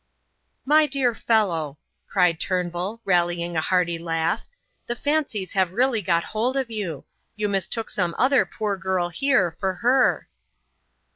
"My dear fellow," cried Turnbull, rallying a hearty laugh, "the fancies have really got hold of you. You mistook some other poor girl here for her."